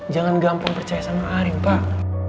jangan gampang percaya sama arin pak